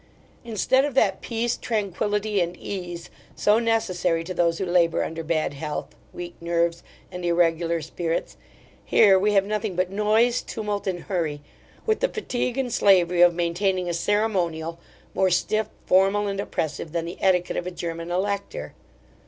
Instead of that peace, tranquillity, and case, so necessary to those who labour under bad health, weak nerves, and irregular spirits; here we have nothing but noise, tumult, and hurry; with the fatigue and slavery of maintaining a ceremonial, more stiff, formal, and oppressive, than the etiquette of a German elector.